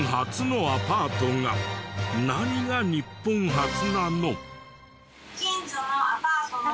何が日本初なの？